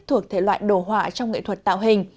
thuộc thể loại đồ họa trong nghệ thuật tạo hình